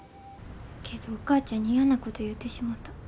けどお母ちゃんに嫌なこと言うてしもた。